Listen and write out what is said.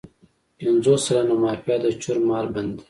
پنځوس سلنه مافیا د چور مال باندې.